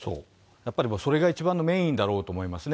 やっぱりそれが一番のメインだろうと思うんですね。